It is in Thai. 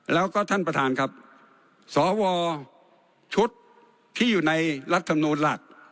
แล้วก็ท่านประธานครับสวชุดที่อยู่ในรัฐธรรมนูลหลัก